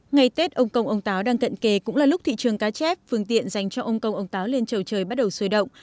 ngày tết ông công ông táo đang cận kề cũng là lúc thị trường cá chép phương tiện dành cho ông công ông táo lên trầu trời bắt đầu sôi động